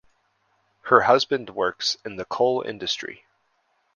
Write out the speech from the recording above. Her husband works in the coal industry.